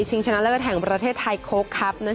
ชิงชนะเลือกแห่งประเทศไทยโค้กคลับ